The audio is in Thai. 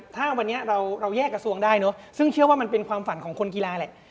ถ้าวันนี้เราแยกกระทรวงได้เนอะซึ่งเชื่อว่ามันเป็นความฝันของคนกีฬาแหละ